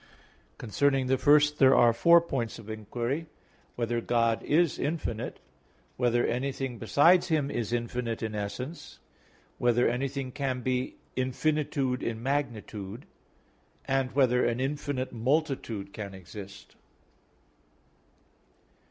Concerning the first, there are four points of inquiry: (1) Whether God is infinite? (2) Whether anything besides Him is infinite in essence? (3) Whether anything can be infinitude in magnitude? (4) Whether an infinite multitude can exist?